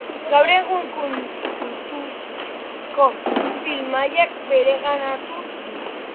Gaur egun kultuzko film maila bereganatu du.